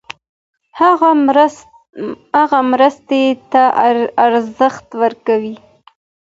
هغه مرستې ته ارزښت ورکوي.